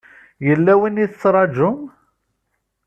Yella win i tettṛajum?